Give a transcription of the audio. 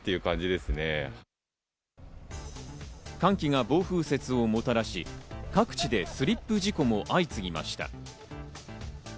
寒気が暴風雪をもたらし、各地でスリップ事故も相次ぎました。